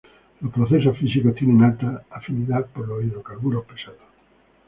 Los procesos físicos tienen alta afinidad por los hidrocarburos pesados.